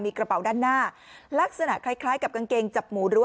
กระเป๋าด้านหน้าลักษณะคล้ายคล้ายกับกางเกงจับหมูรั้